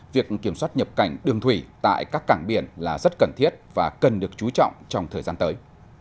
việc kiểm soát nhập cảnh đường thủy tại các cảng biển là rất cần thiết và cần được chú trọng trong thời gian tới